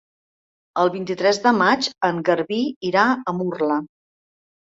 El vint-i-tres de maig en Garbí irà a Murla.